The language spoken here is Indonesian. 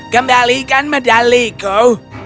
kembalikan medali kau